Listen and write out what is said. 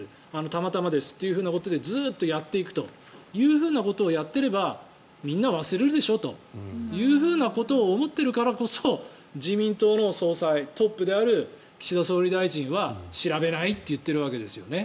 たまたまですということでずっとやっていくということをやっていればみんな忘れるでしょということを思っているからこそ自民党の総裁、トップである岸田総理大臣は調べないって言っているわけですよね。